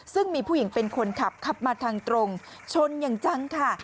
ซึ่งมีผู้หญิงเป็นคนขับขับมาทางตรงชนอย่างจังค่ะ